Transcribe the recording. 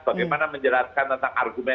bagaimana menjelaskan tentang argumen